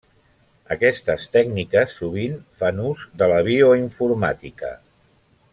Aquestes tècniques sovint fan ús de la bioinformàtica.